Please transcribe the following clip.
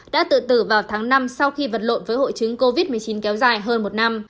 đã tự tử vào tháng năm sau khi vật lộn với hội chứng covid một mươi chín kéo dài hơn một năm